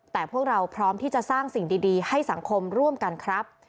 แต่พวกเราพร้อมที่จะสร้างสิ่งดีให้สังคมร่วมกันครับ